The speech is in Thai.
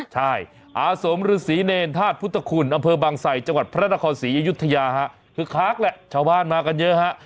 ใช่อาสมฤษีเนรธาตุพุทธคุณอำเภอบางไสจังหวัดพระนครศรีอยุธยาฮะคือคักแหละชาวบ้านมากันเยอะฮะ